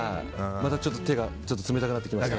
またちょっと手が冷たくなってきました。